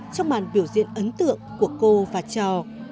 trong màn biểu diễn ấn tượng của cô và trò